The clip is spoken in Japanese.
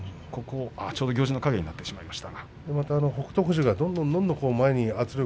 ちょうど、行司の影になって見えませんでした。